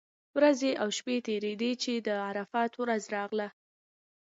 ورځې او شپې تېرېدې چې د عرفات ورځ راغله.